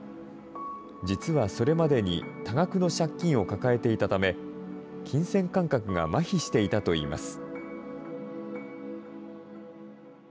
実はそれまでに多額の借金を抱えていたため、金銭感覚がまひしていたといいます。